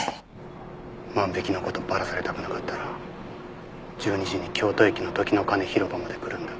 万引きの事バラされたくなかったら１２時に京都駅の時の鐘広場まで来るんだ。